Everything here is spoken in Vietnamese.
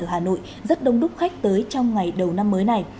hà nội rất đông đúc khách tới trong ngày đầu năm mới này